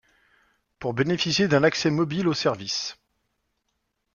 Pour bénéficier d’un accès mobile au service.